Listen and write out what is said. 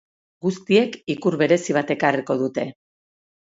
Guztiek ikur berezi bat ekarriko dute.